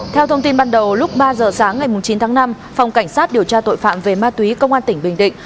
theo thông tin ban đầu lúc ba giờ sáng ngày chín tháng năm phòng cảnh sát điều tra tội phạm về ma túy công an tỉnh bình định